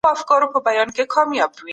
استازي د قانون د ماتولو پر وړاندي دريږي.